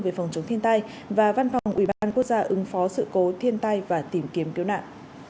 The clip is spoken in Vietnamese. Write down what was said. về phòng chống thiên tai và văn phòng ủy ban quốc gia ứng phó sự cố thiên tai và tìm kiếm cứu nạn